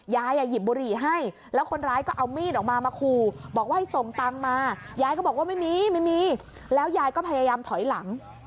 ยายหยิบบุหรี่ให้แล้วคนร้ายก็เอามีดออกมามาขู่บอกว่าให้ส่งตังค์มายายก็บอกว่าไม่มีไม่มีแล้วยายก็พยายามถอยหลัง